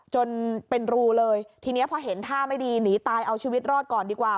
จนเป็นรูเลยทีนี้พอเห็นท่าไม่ดีหนีตายเอาชีวิตรอดก่อนดีกว่า